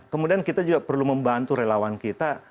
kemudian kita juga perlu membantu relawan kita